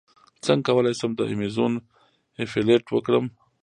څنګه کولی شم د ایمیزون افیلیټ وکړم